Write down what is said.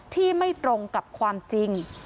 ที่ไม่ตรงกับความจริง